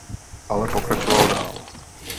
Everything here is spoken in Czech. Ale pokračoval dál.